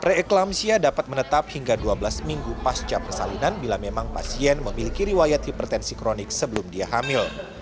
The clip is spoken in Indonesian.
preeklampsia dapat menetap hingga dua belas minggu pasca persalinan bila memang pasien memiliki riwayat hipertensi kronik sebelum dia hamil